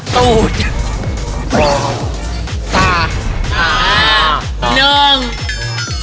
ตือด